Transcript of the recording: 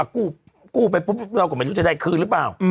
กู้ไปปุ๊บเราก็ไม่รู้จะได้คืนหรือเปล่า